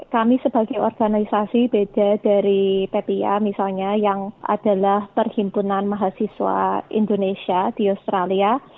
kami sebagai organisasi beda dari ppia misalnya yang adalah perhimpunan mahasiswa indonesia di australia